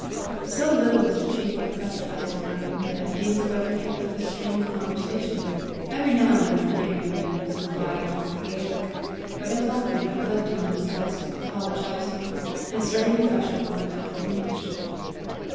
So little was the chief oppressed by his burden, that he and his brother kept up a stream of conversation, every now and then forgetting their manners and gliding off into Gaelic, but as often recollecting themselves, apologizing, and starting afresh upon the path of English.